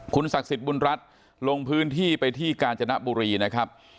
ศักดิ์สิทธิ์บุญรัฐลงพื้นที่ไปที่กาญจนบุรีนะครับ